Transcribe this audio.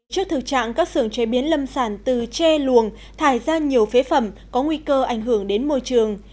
trước thực trạng các xưởng chế biến lâm sản từ tre luồng thải ra nhiều phế phẩm có nguy cơ ảnh hưởng đến môi trường